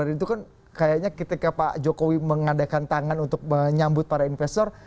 itu kan kayaknya ketika pak jokowi mengadakan tangan untuk menyambut para investor